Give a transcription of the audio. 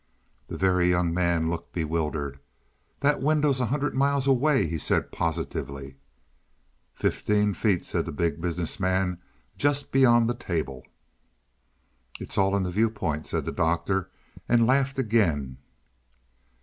The Very Young. Man looked bewildered. "That window's a hundred miles away," he said positively. "Fifteen feet," said the Big Business Man. "Just beyond the table." "It's all in the viewpoint" said the Doctor, and laughed again.